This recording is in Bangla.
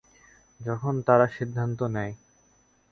যখন তারা সিদ্ধান্ত নেয়।